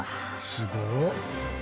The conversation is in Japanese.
すごい。